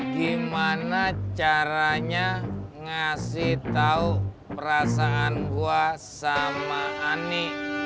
gimana caranya ngasih tahu perasaan gua sama ani